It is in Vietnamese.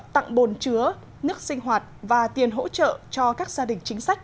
tặng bồn chứa nước sinh hoạt và tiền hỗ trợ cho các gia đình chính sách